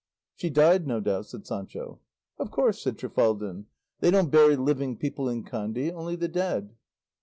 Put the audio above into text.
"She died, no doubt," said Sancho. "Of course," said Trifaldin; "they don't bury living people in Kandy, only the dead."